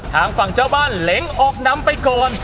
ทางฝั่งเจ้าบ้านเหล็งออกนำไปก่อน